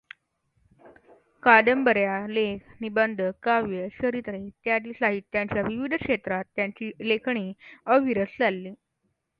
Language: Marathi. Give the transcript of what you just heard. कादंबऱ्या, लेख, निबंध, काव्य, चरित्रे इत्यादी साहित्यांच्या विविध क्षेत्रात त्यांची लेखणी अविरत चालली.